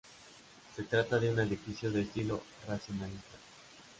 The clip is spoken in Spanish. Se trata de un edificio de estilo racionalista.